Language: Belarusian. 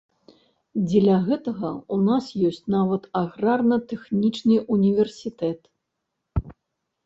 Дзеля гэтага ў нас ёсць нават аграрна-тэхнічны ўніверсітэт.